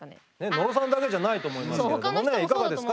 野呂さんだけじゃないと思いますけれどもいかがですか？